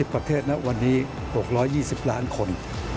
ประเทศณวันนี้๖๒๐ล้านคน